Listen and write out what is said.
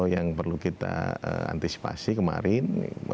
yang perlu kita antisipasi kemarin